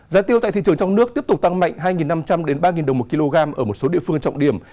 giá tiêu tại thị trường trong nước tiếp tục tăng mạnh hai năm trăm linh ba đồng một kg ở một số địa phương trọng điểm